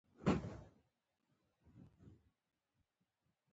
د بنسټپالو د تمویل عمده برخه وه.